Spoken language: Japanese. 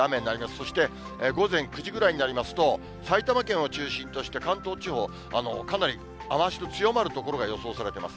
そして午前９時くらいになりますと、埼玉県を中心として関東地方、かなり雨足の強まる所が予想されます。